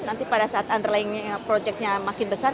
nanti pada saat underlying project nya makin besar